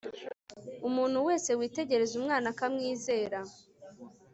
umuntu wese witegereza umwana akamwizera